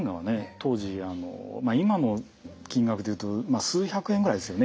当時今の金額で言うと数百円ぐらいですよね